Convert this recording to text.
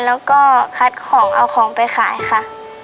แล้วก็คัดของเอาของไปขายค่ะ